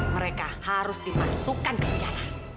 mereka harus dimasukkan ke jalan